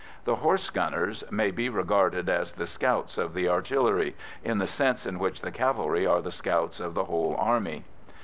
The horse gunners may be regarded as the scouts of the artillery, in the sense in which the cavalry are the scouts of the whole army.